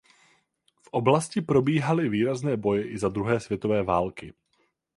V oblasti probíhaly výrazné boje i za druhé světové války.